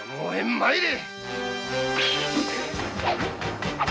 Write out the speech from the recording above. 参れ